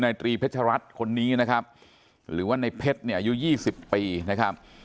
ตรีเพชรัตน์คนนี้นะครับหรือว่าในเพชรเนี่ยอายุ๒๐ปีนะครับ